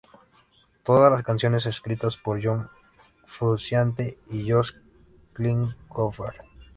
Todas las canciones escritas por John Frusciante y Josh Klinghoffer